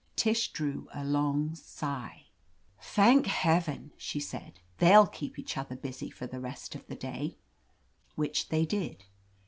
Tish drew a long sigh. "Thank heaven r she said. "TheyTl keep each other busy for the rest of the day*" Which they did.